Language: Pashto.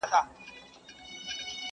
درد د انسان برخه ګرځي تل،